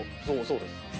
そうそうです